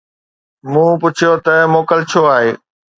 مون پڇيو ته موڪل ڇو آهي